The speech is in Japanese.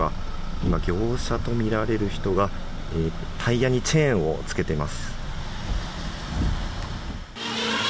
今、業者とみられる人がタイヤにチェーンを着けています。